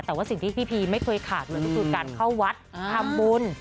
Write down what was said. ที่พี่พีไม่เคยขาดในทุกการเข้าวัดทำบุญ